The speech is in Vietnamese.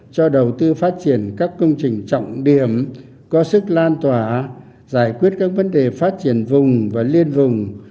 cho đầu tư phát triển các công trình trọng điểm có sức lan tỏa giải quyết các vấn đề phát triển vùng và liên vùng